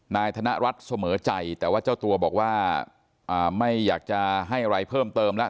นายธนรัฐเสมอใจแต่ว่าเจ้าตัวบอกว่าไม่อยากจะให้อะไรเพิ่มเติมแล้ว